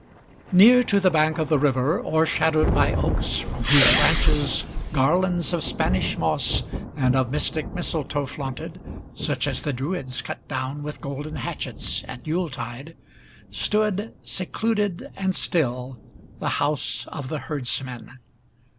NEAR to the bank of the river, o'ershadowed by oaks, from whose branches Garlands of Spanish moss and of mystic mistletoe flaunted, Such as the Druids cut down with golden hatchets at Yule tide, Stood, secluded and still, the house of the herdsman.